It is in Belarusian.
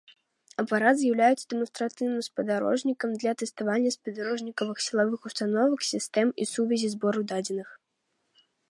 Апарат з'яўляецца дэманстрацыйным спадарожнікам для тэставання спадарожнікавых сілавых установак, сістэм сувязі і збору дадзеных.